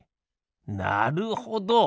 なるほど！